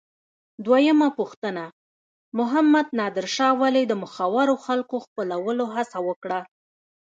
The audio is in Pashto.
دویمه پوښتنه: محمد نادر شاه ولې د مخورو خلکو خپلولو هڅه وکړه؟